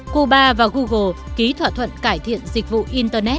cuba và google ký thỏa thuận cải thiện dịch vụ internet